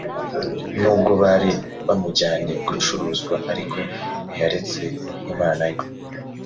nubwo bari bamujyanye gucuruzwa ariko ntiyaretse imana ye